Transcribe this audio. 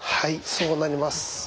そうなります。